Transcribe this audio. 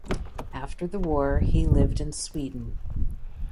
After the war he lived in Sweden.